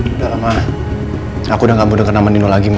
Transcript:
udah lama aku udah gak mau denger nama nino lagi